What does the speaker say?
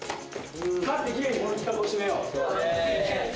勝ってきれいにこの企画を締めよう。